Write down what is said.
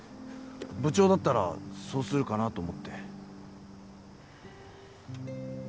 部長だったらそうするかなと思って。